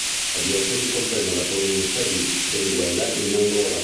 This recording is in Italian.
La diocesi comprende la provincia di Benguela in Angola.